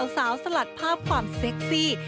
สาวสลัดภาพความเซ็กซี่